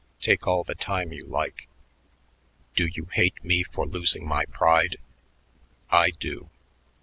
Take all the time you like. Do you hate me for losing my pride? I do.